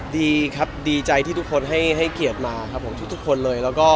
ดีค่ะก็ดีใจที่ทุกคนให้คียดมาทุกคนเลย